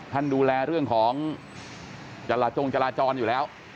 ดูแลเรื่องของจราจงจราจรอยู่แล้ว